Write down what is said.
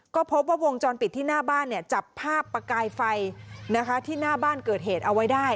ก็พบว่าวงจรปิดที่หน้าบ้านจับภาพประกายไฟที่หน้าบ้านเกิดเหตุเอาไว้ได้